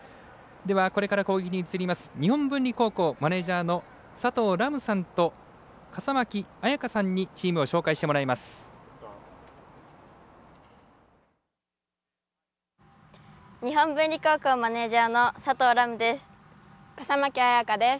これから攻撃に移ります日本文理マネージャーの佐藤麗結さんと笠巻彩花さんにチームを紹介してもらいます。